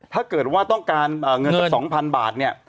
ถ้าเกิดว่าต้องการเงินสัก๒๐๐๐บาทเนี่ย